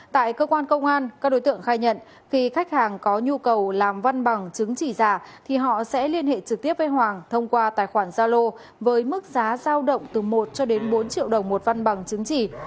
tại cơ quan công an các đối tượng khai nhận khi khách hàng có nhu cầu làm văn bằng chứng chỉ giả thì họ sẽ liên hệ trực tiếp với hoàng thông qua tài khoản gia lô với mức giá giao động từ một cho đến bốn triệu đồng một văn bằng chứng chỉ